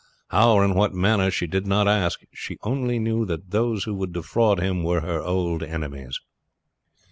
How or in what manner she did not ask; she only knew that those who would defraud him were her old enemies.